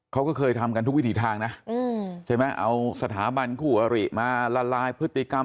เขาก็เคยทำกันทุกวิถีทางนะใช่ไหมเอาสถาบันคู่อริมาละลายพฤติกรรม